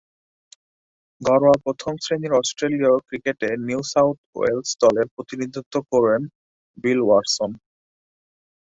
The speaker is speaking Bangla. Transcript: ঘরোয়া প্রথম-শ্রেণীর অস্ট্রেলীয় ক্রিকেটে নিউ সাউথ ওয়েলস দলের প্রতিনিধিত্ব করেন বিল ওয়াটসন।